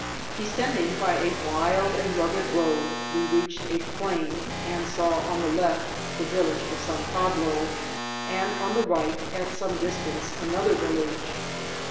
Descending by a wild and rugged road, we reached a plain, and saw on the left the village of San Pablo, and on the right, at some distance, another village.